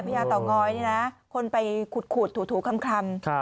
พระยาต่างอยนี่นะคนไปขูดถูคล่ำค่ะ